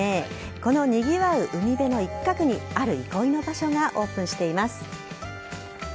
このにぎわう海辺の一角にある憩いの場所がオープンしています。